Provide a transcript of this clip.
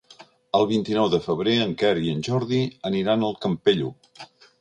El vint-i-nou de febrer en Quer i en Jordi aniran al Campello.